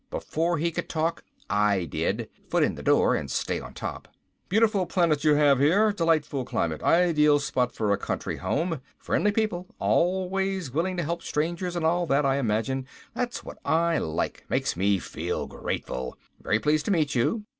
Before he could talk I did, foot in the door and stay on top. "Beautiful planet you have here. Delightful climate! Ideal spot for a country home. Friendly people, always willing to help strangers and all that I imagine. That's what I like. Makes me feel grateful. Very pleased to meet you.